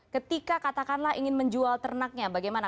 ketika katakanlah ingin menjual ternaknya bagaimana